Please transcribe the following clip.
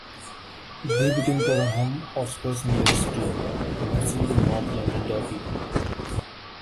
They became Tottenham Hotspur's nearest club, commencing the North London derby.